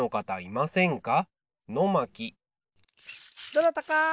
どなたか！